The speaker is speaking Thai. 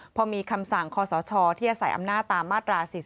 พอมีคำสั่งคอสชที่อาศัยอำนาจตามมาตรา๔๔